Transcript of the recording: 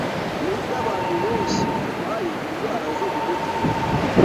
Nubwo abantu benshi barwaye indwara zo mu mutwe